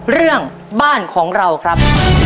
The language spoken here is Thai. เรื่องบ้านของเราครับ